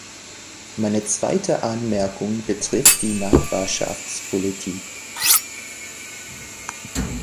Meine zweite Anmerkung betrifft die Nachbarschaftspolitik.